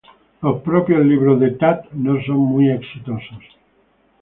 Los propios libros de Thad no son muy exitosos.